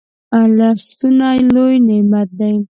لاسونه لوي نعمت دی